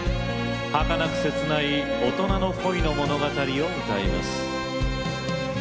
はかなく切ない大人の恋の物語を歌います。